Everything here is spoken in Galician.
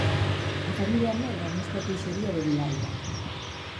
A familia medra nesta queixería de Vilalba.